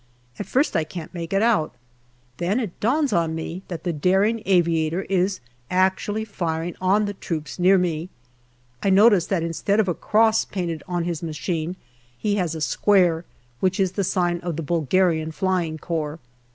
At first I can't make it out. Then it dawns on me that the daring aviator is actually firing on the troops near me. I notice that instead of having a cross painted on his machine he has a square, which is the sign of the Bulgarian Flying Corps.